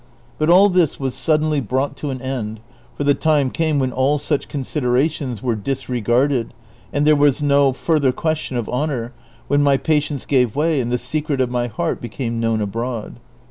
But all tliis was suddenly brought to an end, for the time came' when all such considerations were disregarded, and there was no further question of honor, when my patience gave way and the secret of my heart became known abroad.